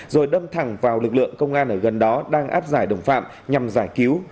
rồi đâm thẳng vào lực lượng công an ở gần đó đang áp giải đồng phạm nhằm giải cứu